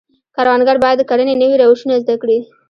کروندګر باید د کرنې نوي روشونه زده کړي.